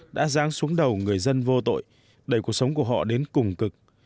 đã dáng xuống đầu người dân vô tội đẩy cuộc sống của họ đến cùng cực